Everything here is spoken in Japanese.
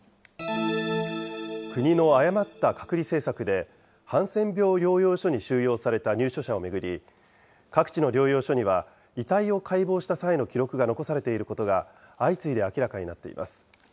国の誤った隔離政策で、ハンセン病療養所に収容された入所者を巡り、各地の療養所には、遺体を解剖した際の記録が残されていることが、相次いで明らかになっています。